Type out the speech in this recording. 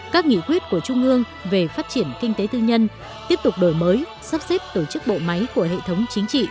các nghị quyết của trung ương về phát triển kinh tế tư nhân tiếp tục đổi mới sắp xếp tổ chức bộ máy của hệ thống chính trị